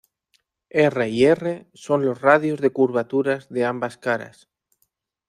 R y R son los radios de curvaturas de ambas caras.